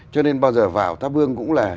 cho nên bao giờ vào thắp hương cũng là